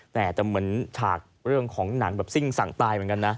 แต่เหมือนฉากเรื่องของหนังแบบซิ่งสั่งตายเหมือนกันนะ